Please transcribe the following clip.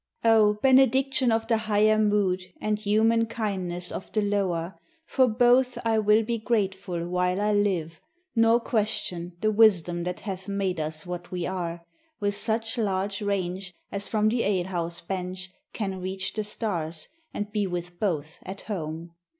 0, benediction of the higher mood And human kindness of the lower ! for both I will be grateful while I live, nor question The wisdom that hath made us what we are, With such large range as from the alehouse bench Can reach the stars and be with both at home.